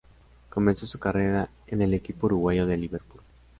Comenzó su carrera en el equipo uruguayo de Liverpool.